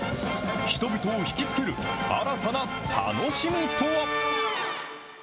人々を引き付ける新たな楽しみとは。